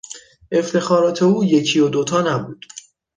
افتخارات او یکی و دو تا نبود.